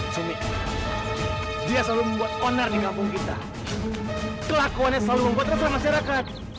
sumi dia selalu membuat onar di kampung kita kelakuannya selalu membuat rasa masyarakat